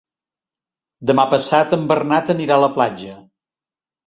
Demà passat en Bernat anirà a la platja.